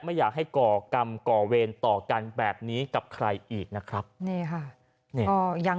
ไม่อยากให้ก่อกรรมก่อเวรต่อกันแบบนี้กับใครอีกนะครับนี่ค่ะ